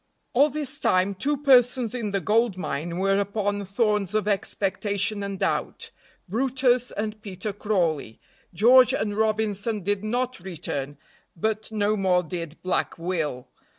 ALL this time two persons in the gold mine were upon thorns of expectation and doubt brutus and Peter Crawley. George and Robinson did not return, but no more did Black Will.